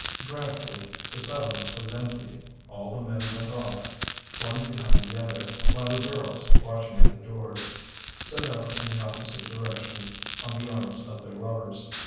Gradually the settlement was emptied; all the men went off one behind the other, while the girls, watching at the doors, set out in the opposite direction on the arms of their lovers.